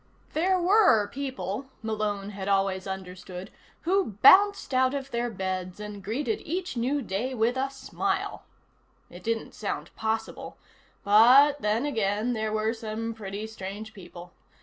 There were people, Malone had always understood, who bounced out of their beds and greeted each new day with a smile. It didn't sound possible, but then again there were some pretty strange people.